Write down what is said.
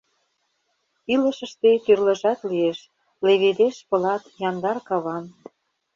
Илышыште тӱрлыжат лиеш: Леведеш пылат яндар кавам.